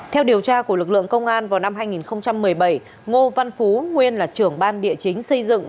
theo điều tra của lực lượng công an vào năm hai nghìn một mươi bảy ngô văn phú nguyên là trưởng ban địa chính xây dựng